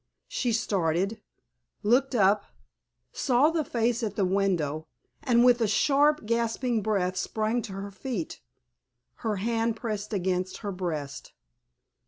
She started, looked up, saw the face at the window, and with a sharp, gasping breath sprang to her feet, her hand pressed against her breast.